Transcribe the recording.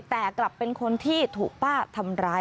แต่กลับเป็นคนที่ถูกป้าทำร้าย